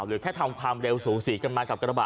หรือแค่ทำความเร็วสูงสีกันมากับกระบะ